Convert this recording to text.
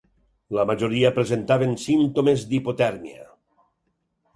La majoria presentaven símptomes d’hipotèrmia.